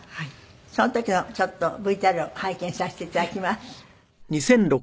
その時のちょっとＶＴＲを拝見させて頂きます。